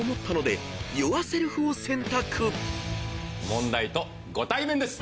「問題とご対面です」